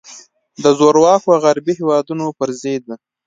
د زورواکو غربي هیوادونو پر ضد.